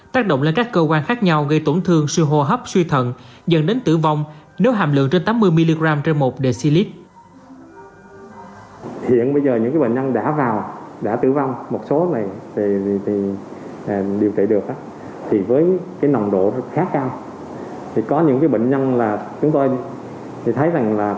tác động lên các cơ quan khác nhau gây tổn thương sự hồ hấp suy thận dần đến tử vong nếu hàm lượng trên tám mươi mg trên một dl